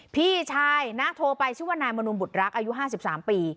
พี่ชายนะโทรไปชื่อว่านายมนุมบุตรรักอายุ๕๓ปี